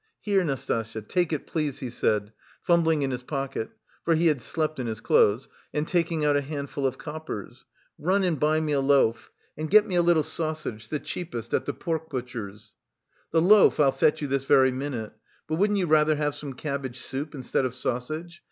"Here, Nastasya, take it please," he said, fumbling in his pocket (for he had slept in his clothes) and taking out a handful of coppers "run and buy me a loaf. And get me a little sausage, the cheapest, at the pork butcher's." "The loaf I'll fetch you this very minute, but wouldn't you rather have some cabbage soup instead of sausage?